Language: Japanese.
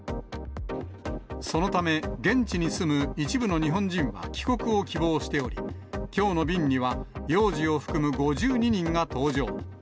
そのため、現地に住む一部の日本人が帰国を希望しており、きょうの便には、幼児を含む５２人が搭乗。